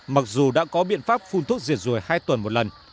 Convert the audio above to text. mặc dù đã có biện pháp phun thuốc diệt ruồi hai tuần một lần